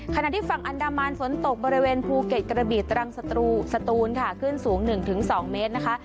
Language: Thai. ขณะที่ฝั่งอันดามันฝนตกบริเวณภูเก็ตกระบีตรังสตูนค่ะขึ้นสูง๑๒เมตรนะคะ